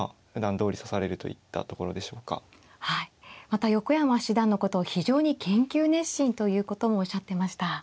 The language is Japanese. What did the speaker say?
また横山七段のことを非常に研究熱心ということもおっしゃってました。